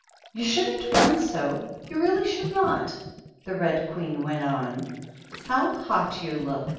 "You shouldn't run so, you really should 7W><," the Red Queen went on. "How hot you look!